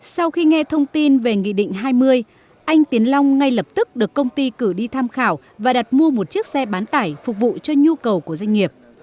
sau khi nghe thông tin về nghị định hai mươi anh tiến long ngay lập tức được công ty cử đi tham khảo và đặt mua một chiếc xe bán tải phục vụ cho nhu cầu của doanh nghiệp